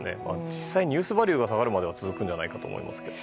実際ニュースバリューが下がるまで続くんじゃないかと思うんですけど。